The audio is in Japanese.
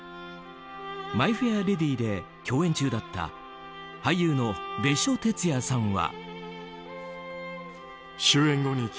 「マイ・フェア・レディ」で共演中だった俳優の別所哲也さんは。